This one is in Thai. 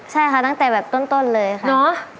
ใช่ค่ะตั้งแต่แบบต้นเลยค่ะเนอะ